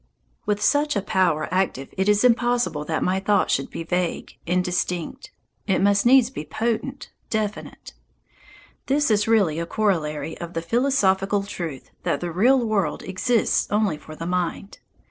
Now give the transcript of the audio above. With such a power active it is impossible that my thought should be vague, indistinct. It must needs be potent, definite. This is really a corollary of the philosophical truth that the real world exists only for the mind.